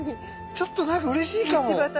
ちょっと何かうれしいかも。